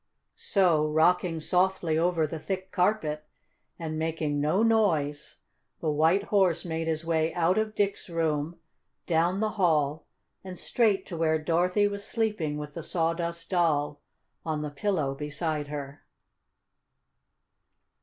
So rocking softly over the thick carpet, and making no noise, the White Horse made his way out of Dick's room, down the hall, and straight to where Dorothy was sleeping with the Sawdust Doll on the pillow beside her.